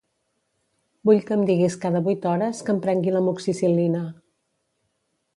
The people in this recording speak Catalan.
Vull que em diguis cada vuit hores que em prengui l'Amoxicil·lina.